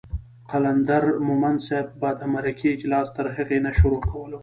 قلندر مومند صاحب به د مرکې اجلاس تر هغې نه شروع کولو